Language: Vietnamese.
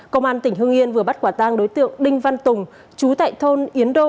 công an tỉnh hương yên vừa bắt quả tang đối tượng đinh văn tùng chú tại thôn yến đô